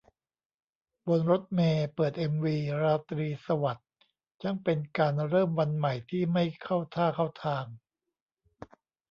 บนรถเมล์ เปิดเอ็มวี 'ราตรีสวัสดิ์' ช่างเป็นการเริ่มวันใหม่ที่ ไม่เข้าท่าเข้าทาง